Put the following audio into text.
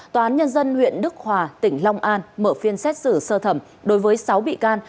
tòa án nhân dân huyện đức hòa tỉnh long an mở phiên xét xử sơ thẩm đối với sáu bị can